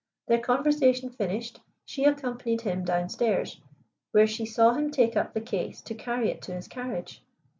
"Their conversation finished, she accompanied him down stairs, where she saw him take up the case to carry it to his carriage.